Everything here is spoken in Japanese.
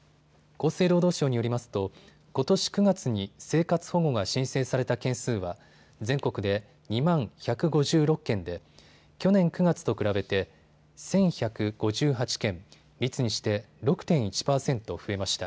厚生労働省によりますとことし９月に生活保護が申請された件数は全国で２万１５６件で去年９月と比べて１１５８件、率にして６．１％増えました。